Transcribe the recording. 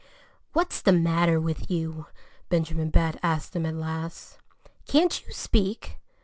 "What's the matter with you?" Benjamin Bat asked him at last. "Can't you speak?"